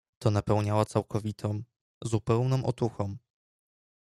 "To napełniało całkowitą, zupełną otuchą."